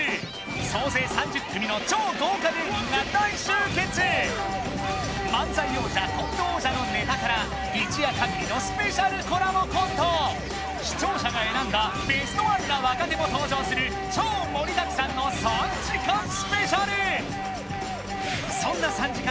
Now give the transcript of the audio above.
総勢３０組の超豪華芸人が大集結漫才王者コント王者のネタから一夜かぎりのスペシャルコラボコント視聴者が選んだベストワンな若手も登場する超盛りだくさんの３時間スペシャルそんな３時間